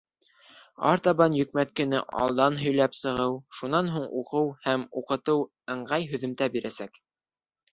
Артабан йөкмәткене алдан һөйләп сығыу, шунан һуң уҡыу һәм уҡытыу ыңғай һөҙөмтә бирәсәк.